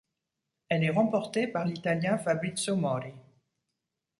Elle est remportée par l'Italien Fabrizio Mori.